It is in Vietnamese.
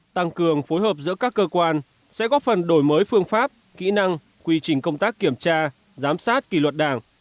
tăng cường phối hợp giữa các cơ quan sẽ góp phần đổi mới phương pháp kỹ năng quy trình công tác kiểm tra giám sát kỳ luật đảng